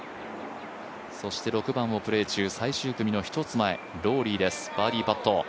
そして６番をプレー中、最終組の１つ前ローリーです、バーディーパット。